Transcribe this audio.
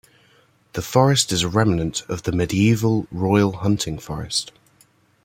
The forest is a remnant of the medieval royal hunting forest.